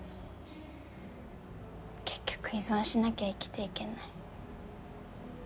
結局依存しなきゃ生きていけない。